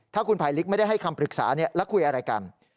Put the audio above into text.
ถ้าคุณภัยลิกไม่ได้ให้คำปรึกษาแล้วคุยอะไรกัน